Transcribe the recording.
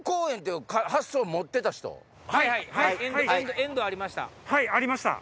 遠藤ありました。